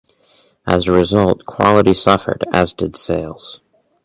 As a result, quality suffered as did sales.